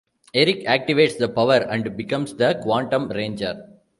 Eric activates the power, and becomes the Quantum Ranger.